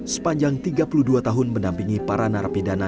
sepanjang tiga puluh dua tahun menampingi para narapidana